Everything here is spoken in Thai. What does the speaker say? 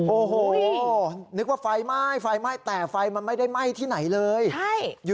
โอ้โหนึกว่าไฟไหม้ไฟไหม้แต่ไฟมันไม่ได้ไหม้ที่ไหนเลย